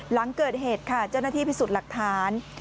หลังเกิดเหตุค่ะเจ้าหน้าที่พิสูจน์หลักฐาน